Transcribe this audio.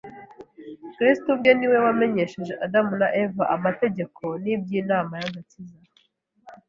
Kristo ubwe ni we wamenyesheje Adamu na Eva amategeko n’iby’inama y’agakiza.